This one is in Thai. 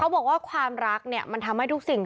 บอกว่าความรักเนี่ยมันทำให้ทุกสิ่ง